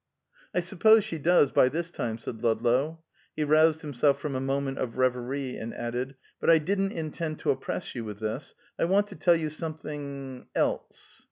"I suppose she does, by this time," said Ludlow. He roused himself from a moment of revery, and added, "But I didn't intend to oppress you with this. I want to tell you something else."